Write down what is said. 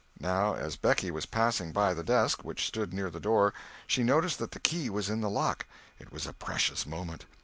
Now, as Becky was passing by the desk, which stood near the door, she noticed that the key was in the lock! It was a precious moment.